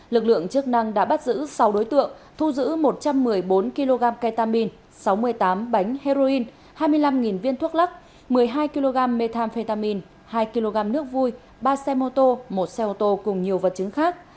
lực lượng chức năng đã bắt giữ sáu đối tượng thu giữ một trăm một mươi bốn kg ketamine sáu mươi tám bánh heroin hai mươi năm viên thuốc lắc một mươi hai kg methamphetamine hai kg nước vui ba xe mô tô một xe ô tô cùng nhiều vật chứng khác